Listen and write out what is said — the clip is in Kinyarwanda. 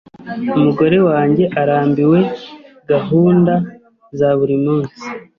Umugore wanjye arambiwe gahunda za buri munsi.